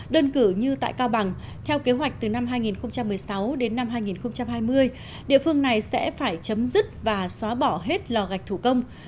đơn cử như tại cao bằng theo kế hoạch từ năm hai nghìn một mươi sáu đến năm hai nghìn hai mươi địa phương này sẽ phải chấm dứt và xóa bỏ hết lò gạch thủ công